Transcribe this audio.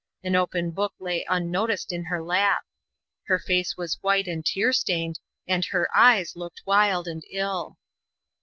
An open book lay unnoticed in her lap. Her face was white and tear stained, and her eyes looked wild and ill.